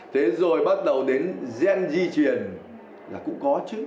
thế rồi bắt đầu đến gen di chuyển là cũng có chứ